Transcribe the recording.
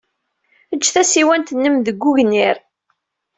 Ejj tasiwant-nnem deg wegnir.